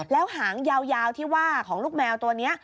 แล้วหางยาวที่ว่าของลูกแมวตัวนี้